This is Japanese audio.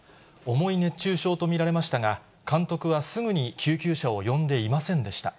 重い熱中症と見られましたが、監督はすぐに救急車を呼んでいませんでした。